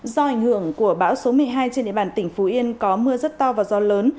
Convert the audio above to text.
do ảnh hưởng của bão số một mươi hai trên địa bàn tỉnh phú yên có mưa rất to và gió lớn